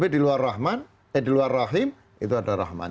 tapi di luar rahim itu ada rahman